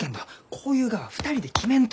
こういうがは２人で決めんと！